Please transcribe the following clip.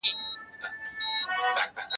زه پرون کتابتوننۍ سره وخت تېره کړی